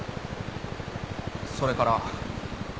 それから。